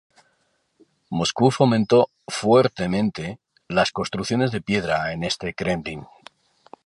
Moscú fomentó fuertemente las construcciones de piedra en este kremlin.